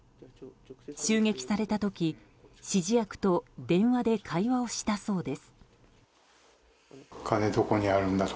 襲撃された時、指示役と電話で会話をしたそうです。